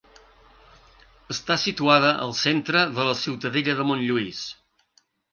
Està situada al centre de la Ciutadella de Montlluís.